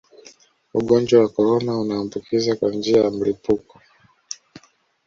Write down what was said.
ugonjwa wa korona unaambukiza kwa njia ya mlipuko